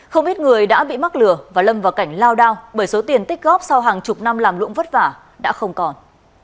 không ít người đã bị mắc lừa và lâm vào cảnh lao đao bởi số tiền tích góp sau hàng chục năm làm lũng vất vả đã không còn